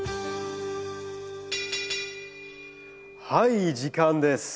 はい時間です。